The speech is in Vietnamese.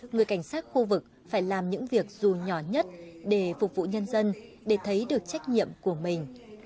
người cảnh sát khu vực phải làm những việc dù nhỏ nhất để phục vụ nhân dân để thấy được trách nhiệm của mình